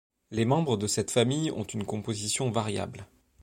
Les membres de cette famille ont une composition variable.